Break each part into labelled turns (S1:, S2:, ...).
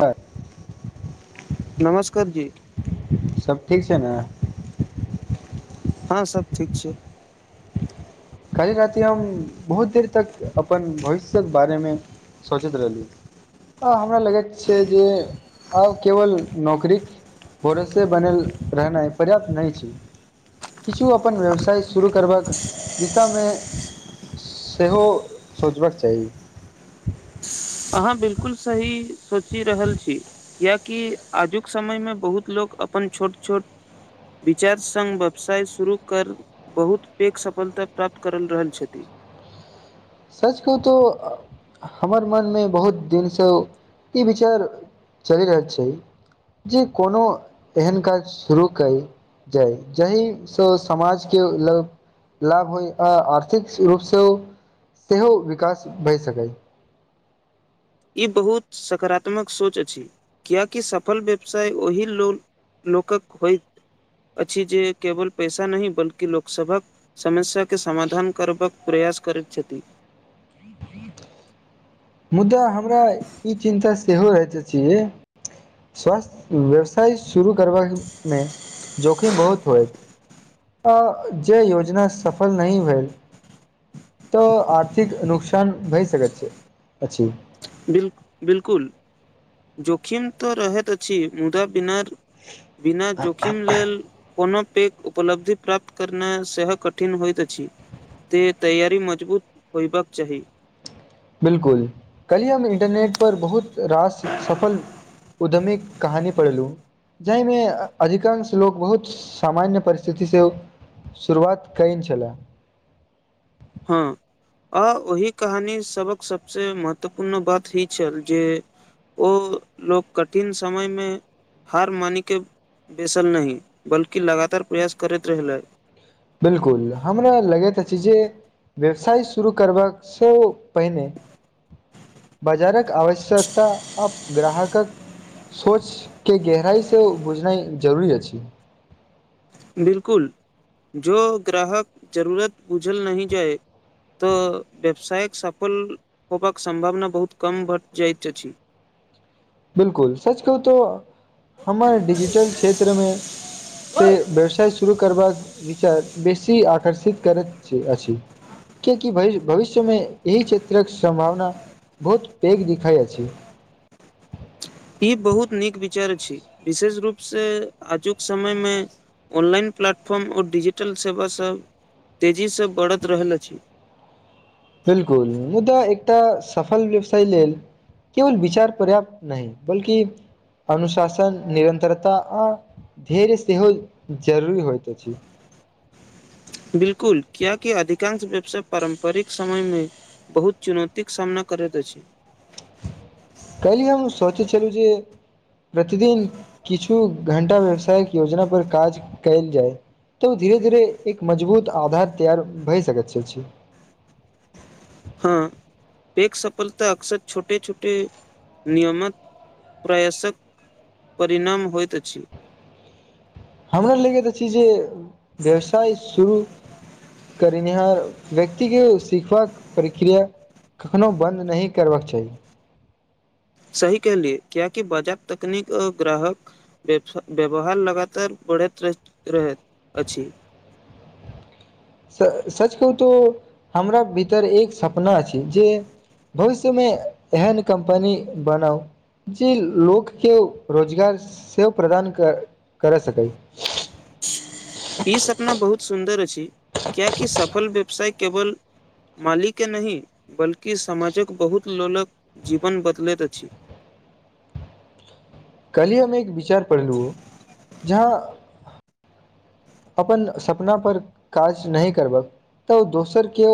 S1: पर
S2: नमस्कर जी
S1: सभ ठीक छै। ने
S2: हँ सभ ठीक छै।
S1: कालि राति हम बहुत देर तक अपन भविष्यक बारेमे सोचैत रहलि त हमरा लगैत छै। जे आब केवल नौकरीक पोड़ोसे बनल रहनाइ पर्याप्त नहि छी। किछु अपन व्यवसाय शुरू करबाक दिशामे सेहो सोचबाक चाही
S2: अहाँ बिलकुल सही सोचि रहल छी कियाकि आजुक समय मे बहुत लोक अपन छोट छोट विचार सङ्ग व्यवसाय शुरू कर बहुत पैघ सफलता प्राप्त करल रहल छथि [inaudible]
S1: सच को तो हमर मनमे बहुत दिनसँ ई विचार चलि रहल छै, जे कोनो एहन काज शुरू कइ जाय जहि से समाज के ल लाभ होइ आ आर्थिक रूपसँ ओ सेहो विकास भए सकय
S2: ई बहुत सकारात्मक सोच अछि कियाकि सफल व्यवसाय ओहि लोन लोकक होइत अछि जे केवल पैसा नहि बल्कि लोकसभक समस्यकस के समाधान करबाक प्रयास करैत छथि।
S1: मुदा हमरा ई चिन्ता सेहो रहैत छियै। स्वस्थ व्यवसाय शुरू करबामे जोखिम बहुत होय आ जे योजना सफल नहि भेल तऽ आर्थिक नुकसान भए सकै छै। अछि
S2: बिल बिलकुल जोखिम तऽ रहैत अछि। मुदा पनार बिना जोखिम लेल कोनो पैघ उपलब्धि प्राप्त करनाइ सेहो कठिन होइत अछि ते तैयारी मजबूत होयबाक चाही
S1: बिलकुल कली हम इंटरनेट पर बहुत रास सफल उदमीक कहानी पढ़लू जहिमे अधिकांश लोक बहुत सामान्य परिस्थिति स शुरुआत कैन छला
S2: हँ आ ओहि कहानी सभक सबसे महत्वपूर्ण बात इ छल जे ओ लोक कठिन समय में हार मानिक बेैसल नहि बल्कि लगातार प्रयास करैत रहलन्हि
S1: बिलकुल हमरा लगैत अछि जे व्यवसाय शुरू करबा सँ पहिने बाजारक आवश्यकता आब ग्राहकक सोच के गहराइसँ बुझनाइ जरूरी अछि
S2: बिलकुल जो ग्राहक जरूरत बुझल नहि जाए तऽ व्यवसायक सफल होबाक सम्भावना बहुत कम घट जाइत अछि [inaudible]
S1: बिलकुल सच कहु त हमर डिजिटल क्षेत्रमे से व्यवसाय शुरू करबाक विचार बेसी आकर्षित करैत छै अछि कियाकि भई भविष्यमे एहि क्षेत्रक सम्भावना बहुत पेग दिखाइ अछि
S2: ई बहुत नीक विचार छी विशेष रूप से आजुक समय मे ऑनलाइन प्लाटफॉर्म ओ डजिटल सेवा सब तेजीसँ बढ़त रहल अछि
S1: बिलकुल मुदा एकटा सफल व्यवसाय लेल केवल विचार पर्याप्त नहि बल्कि अनुशासन निरन्तरता आ धैर्य सेहो जरूरी होइत अछि
S2: [inaudible] बिलकुल क्या कि अधिकांश व्यवसाय पारं्परिक समय मे बहुत चुनौतीके सामना कर करैत अछि
S1: कली हम सोचै छलहुँ जे प्रतिदिन किछु घं्टा व्यवसायक योजना पर काज कयल जाय तऽ धीरे धीरे एक मजबूत आधार तैयार भए सकैत छै
S2: हँ एक सफलता अक्सर छोटे छोटे नियमक प्रयासक परिणाम होइत अछि
S1: हमरा लैके तऽ छै जे व्यवसाय शुरू करनिहार व्यक्ति के सीखबाक प्रक्रिया कखननोहु बन्द नहि करबाक चाही
S2: [inaudible] सही कहलियै कियाकी बाजार तकनीक आ ग्राहक व्यवहार लगातार बढ़ त्त रहैत अछि
S1: स सच कहू तो हमरा भीतर एक सपना छै जे भविष्यमे एहन कम्पनी बनाउ जी लोकके रोजगार सेहो प्रदान कर कर सकै
S2: ई सपना बहुत सुन्दर अछि कियाकि सफल व्यवसाय केवल मालीके नहि बल्कि समाजक बहुत लोकक जीवन बदलैत अछि [inaudible]
S1: कहाली हम एक विचार पढ़लहु जहाँ अपन सपनापर काज नहि करबह तऽ दोसरकेओ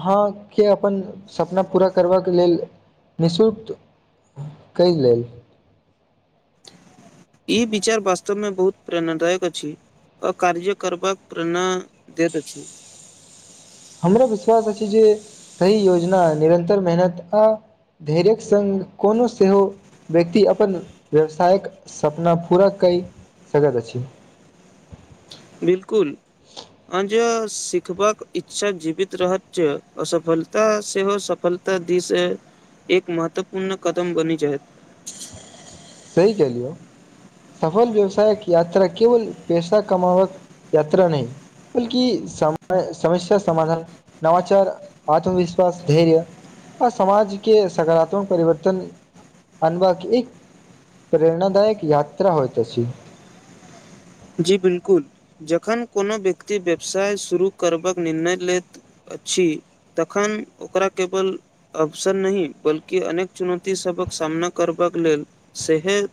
S1: अहाँके अपन सपना पूरा करबाक लेल निःशुल्क कै लेल
S2: [inaudible] ई विचार वास्तवमे बहुत प्रेरणादायक अछि। अकार्य करबाक प्रेरणा दैत अछि।
S1: हमरा विश्वास अछि। जे सही योजना निरन्तर मेहनत आ धैर्यक सङ्ग कोनो सेहो व्यक्ति अपन व्यवसायक सपना पूरा काई सकैत अछि।
S2: बिलकुल अज सिखबाक इच्छा जीवित रहत छै। असफलता सेहो सफलता दिस एक महत्वपूर्ण कदम बनी जाय
S1: सही क लियौ सफल व्यवसायक यात्रा केवल पैसा कमावक यात्रा नहि बलकि सम समस्या समाधान नवाचार आत्मविश्वास धैर्य आ समाज के सकारात्मक परिवर्तन अनभा एक प्रेरणादायक यात्रा होइती छी।
S2: जी बिलकुल जखन कोनो व्यक्ति व्यवसाय शुरू करबाक निर्णय लैत छी तखन ओकरा केवल अवसर नहि बल्कि अनेक चुनौती सबकसँ सामना करबाक लेल सेहोह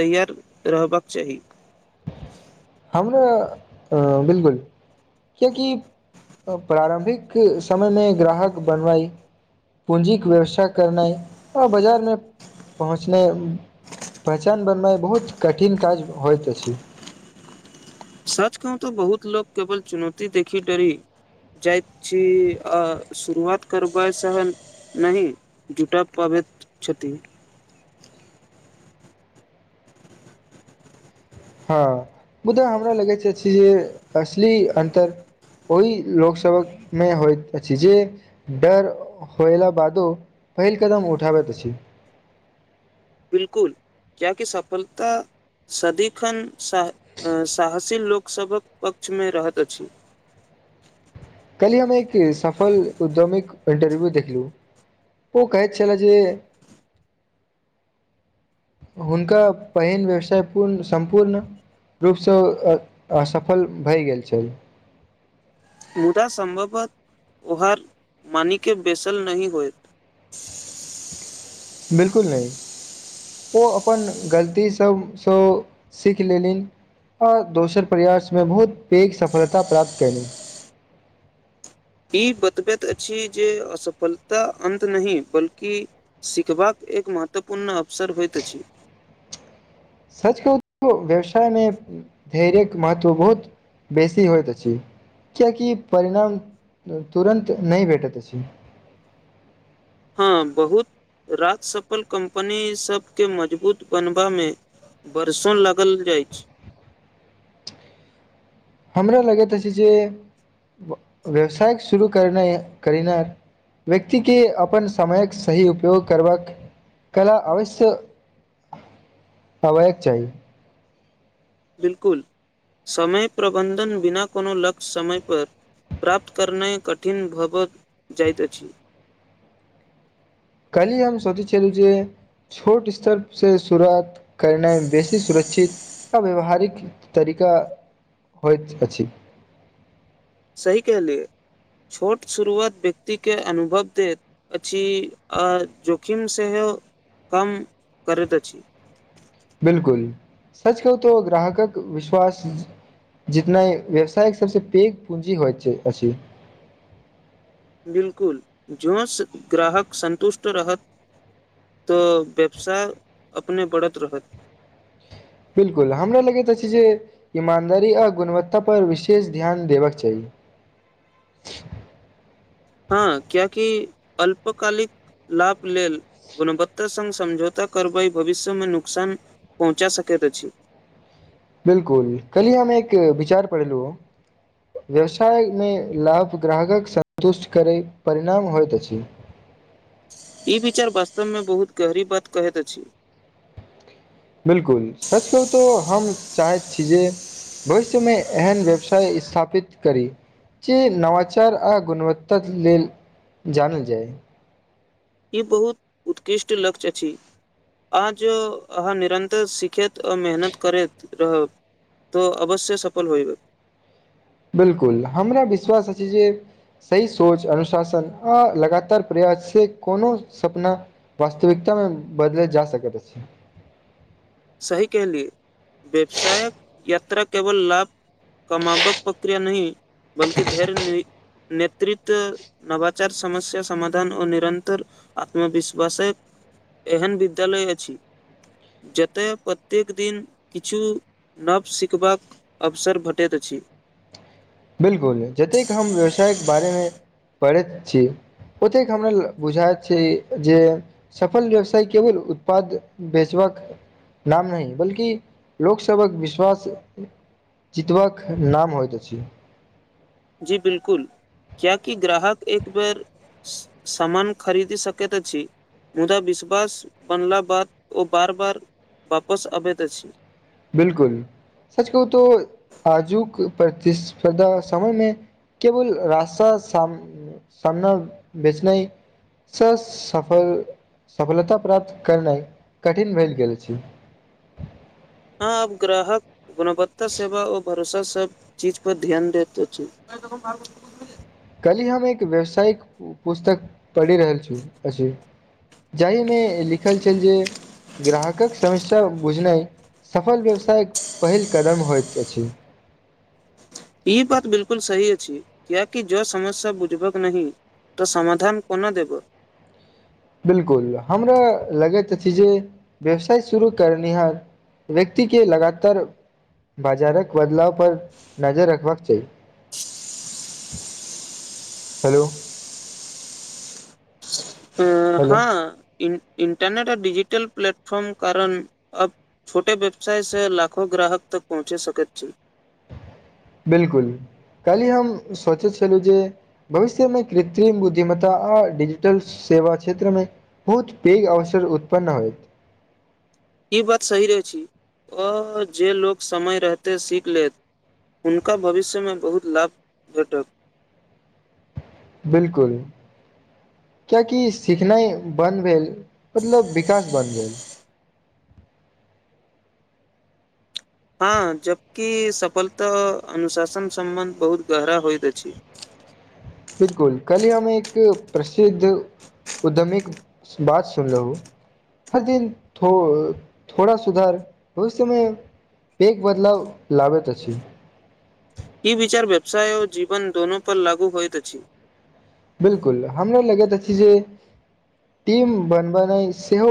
S2: तैयार रहबाक चाही
S1: हमरा अ बिलकुल क्यकि प्रारं्भिक समय मे ग्राहक बनवई पूँजीके व्यवस्था करनाइ आ बाजारमे पहुँचनाइ पहचान बनबइ बहुत कठिन काज होइत अछि।
S2: सच कहू तो बहुत लोक केवल चुनौती देखी डरी जाइत छी अ शुरुआत करबै सह नहि जुटा पाब मे छथि
S1: हँ मुदा हमरा लगै छै, जे असली अन्तर ओहि लोकसभमे होइत अछि, जे डर होयला बादो पहिल कदम उठाबैत त अछि।
S2: बिलकुल कियाकी सफलता सदिखन सा साहसी लोकसभक पक्षमे रहैत अछि। [inaudible]
S1: कल्ही हम एक सफल उद्यमिक इंटरव्यू देखलू ओ कहै छलय जे हुनका पहिन व्यवसाय पूर्ण सम्पूर्ण रूपसँ असफल भए गेल छल
S2: मुदा संभवत ओहहार मानिक के बेसल नहि होयत
S1: बिलकुल नहि ओ अपन गलती सभसँ सीख लेलिन आओर दोसर परयासमे बहुत पैघ सफलता प्राप्त क ली
S2: ई बतबैत अछि जे असफल तऽ अन्त नहि बल्कि सिखबाक एक महत्वपूर्ण अवसर होइत अछि [inaudible]
S1: सच कह व्यवसायमे धैर्य महत्व बहुत बेसी होइइत अछि। कियकि परिणाम तुरन्त नहि भेटैत अछि।
S2: [inaudible] हँ, बहुत राजसफल कंपनी सबके मजबूत बनबामे बरसन लागल जाइत
S1: हमरो लगैत छै। जे व्यवसाय शुरू करने करिना व्यक्तिके अपन समयक सही उपयोग करबाक कला अवश्य
S2: [inaudible]
S1: हैवाक चाही
S2: बिलकुल समय प्रबन्धन बिना कोनो लक्ष्य समय पर प्रााप्त करना कठिन भव जाइत अछि।
S1: कली हम सोचे छलु जी छोट स्तर से शुरुआत करनाइमे बेसी सुरक्षित टा व्यावहारिक तरीका होत अछि।
S2: सही कह लियए छोट शुरुआत व्यक्तिके अनुभव दैत अछि। आ जोखिम सेहो कम करैत अछि।
S1: बिलकुल सच कह तो ग्राहकक विश्वास जितना व्यवसायके सभसँ पैघ पूँजी होइत छै। अ
S2: बिलकुल जोस ग्राहक सन्तुष्ट रहत तऽ व्यवसा अपने बढ़त रहत
S1: बिल्कुल हमरा लगैत अछि, जे ईमानदारी आ गुणवत्ता पर विशेष ध्यान देबाकक चाही
S2: हँ, क्यकी अल्पकालिक लाभ लेल गुणवत्ता सघ समझौता कार्रवाई भविष्यमे नुकसान पहुँचा सकै पत अछि
S1: बिलकुल कल्हि हम एक विचार पढ़लू व्यवसायमे लाभ ग्राहकक सन्तुष्ट करैत परिणाम होइत अछि।
S2: ई विचार वास्तवमे बहुत गहरी बात कहैत अछि।
S1: बिलकुल सच कह तो हम चाहैत छी। जे भविष्यमे एहन व्यवसाय स्थापित करी जे नवाचार आ गुणवत्ता लेल जानल जाय
S2: ई बहुत उत्कृष्ट लक्ष्य अछि। आज अहाँ निरन्तर सिखैत आ मेहनत करैत रहब तऽ अवश्य सफल होयबै
S1: बिलकुल हमरा विश्वास अछि जे सही सोच अनुशासन आ लगातार प्रयास से कोनो सपना वास्तविकता मे बदलैत जा सकैत अछि
S2: सही कहलियै व्यवसायक [unintelligible] केवल लाभ कामाबक प्रक्रिया नहि बल्कि धैर्य नेतृत्व नवाचार समस्या समाधान ओ निरंतर आत्मविश्वासे एहन विद्यालय अछि जे ओ तऽ प्रत्येक दिन किछु नव सिखबाक अवसर भेटैत अछि [inaudible]
S1: बिलकुल जतेक हम व्यवसायक बारेमे पढ़ैत छी। ओतेक हमरा ल बुझाय छै, जे सफल व्यवसाय केवल उत्पाद बेचबा नाम नहि बल्कि लोकसभक विश्वास चितवक नाम होइत छै।
S2: जी बिलकुल कियाकी ग्राहक एक बेर सामन खरीद सकैत अछि। मुदा विश्वास बनला बाद ओ बार बार वापस अबैत अछि।
S1: बिलकुल सच कहू तो आजुक प्रतिस्पर्धा समयमे केवल रास्ता साम सामना बेचनाइ स सफल सफलता प्राप्त करनाइ कठिन भेल गेल छै।
S2: [inaudible] हँ आब ग्राहक गुणवत्ता सेवा औ भरोसा सब चीज पर ध्यान देत अछि [unintelligible]
S1: की हम एक व्यावसायिक पुस्तक पढ़ि रहल छी अछि जाहि मे लिखल छल जे ग्राहकक समस्या बुझनाइ सफल व्यवसायक पहिल कदम होइत अछि
S2: ई बात बिलकुल सही अछि किआकि जो समस्या बुझबक नहि तऽ समाधान कोनो देब
S1: बिलकुल हमरा लगैत अछि जे व्यवसाय शुरू करनिहार व्यक्ति के लगातर बाजारक बदलाव पर नजर रखबाक चाही हेलो हेलो
S2: हँ इ इंटरनेट आ डिजिटल प्लेटफॉम कारण अब छोटे व्यवसाय से लाखो ग्राहक तक तक पहुँचे सकैत छी
S1: बिलकुल काल्हि हम सोचैत छलहुँ जे भविष्यमे कृत्रिम बुद्धिम्ता आ डिजिटल सेवा क्षेत्र में बहुत पैघ अवसर उत्पन्न होयत
S2: [inaudible] ई बात सही रहै छै आ जे लोक समय रहतै सीख लेत हुनका भविष्यमे बहुत लाभ भेटत
S1: बिलकुल कियाकि सिखनाइ बन्द भेल मतलब विकास बन भेल
S2: हँ जबकि सफलता अनुशासन सम्बन्ध बहुत गहरा होइत अछि [inaudible]
S1: बिलकुल कलियामे एक प्रसिद्ध उद्यमीक बात सुनलहु हर दिन थो थोड़ा सुधार भविष्य मे पेघ बदलाव लबैत अछि
S2: ई विचार व्यवसाय आ जीवन दोनो पर लागू होइत अछि
S1: बिलकुल हमरा लगैत अछि जे टीम बन बेनाई सेहो